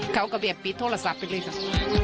เขาก็เปรียบปิดโทรศัพท์ไปเลยครับ